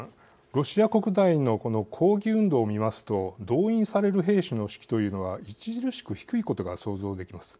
ロシア国内の抗議運動を見ますと動員される兵士の士気というのは著しく低いことが想像できます。